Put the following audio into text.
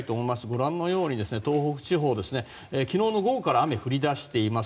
ご覧のように東北地方昨日の午後から雨が降り出しています。